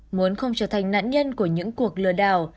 muốn không trở thành nạn nhân của những cuộc lừa đảo